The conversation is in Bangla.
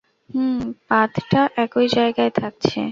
হুম, পাতটা একই জায়গায় থাকছে।